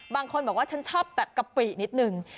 บางคนบอกว่าฉันชอบแบบกะปินิดนึง